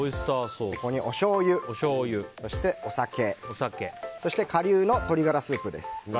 ここに、おしょうゆそして、お酒そして、顆粒の鶏ガラスープです。